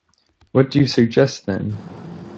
What do you suggest, then?